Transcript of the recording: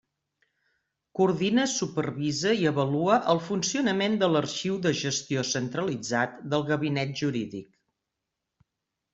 Coordina, supervisa i avalua el funcionament de l'arxiu de gestió centralitzat del Gabinet Jurídic.